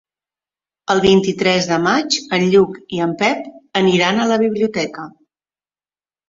El vint-i-tres de maig en Lluc i en Pep aniran a la biblioteca.